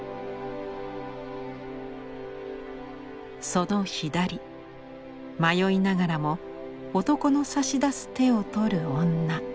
その左迷いながらも男の差し出す手を取る女。